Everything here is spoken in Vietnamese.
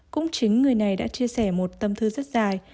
cũng chính người này đã chia sẻ một tâm thư rất dài